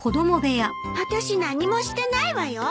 あたし何もしてないわよ。